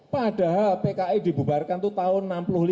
padahal pki dibubarkan itu tahun enam puluh lima